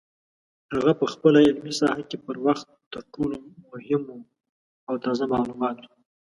هغه په خپله علمي ساحه کې پر وخت تر ټولو مهمو او تازه معلوماتو